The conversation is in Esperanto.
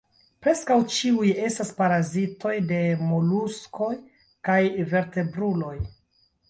Preskaŭ ĉiuj estas parazitoj de moluskoj kaj vertebruloj.